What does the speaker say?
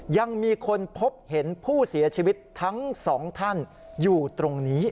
ยังมีคนพบเห็นผู้เสียชีวิตทั้งสองท่านอยู่ตรงนี้